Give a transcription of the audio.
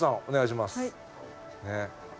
お願いします。